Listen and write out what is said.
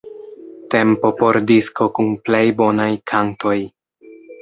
Tempo por 'disko kun plej bonaj kantoj'.